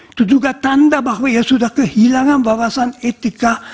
itu juga tanda bahwa ia sudah kehilangan wawasan etika